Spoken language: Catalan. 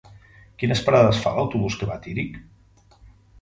Quines parades fa l'autobús que va a Tírig?